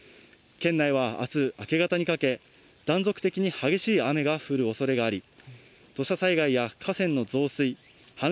県内はあす明け方にかけ、断続的に激しい雨が降るおそれがあり、土砂災害や河川の増水、山中さん。